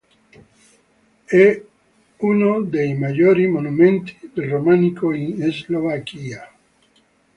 È uno dei maggiori monumenti del romanico in Slovacchia.